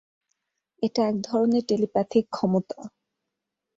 এটা এক ধরনের টেলিপ্যাথিক ক্ষমতা!